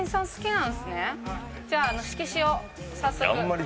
じゃあ色紙を早速。